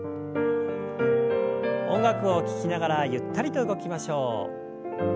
音楽を聞きながらゆったりと動きましょう。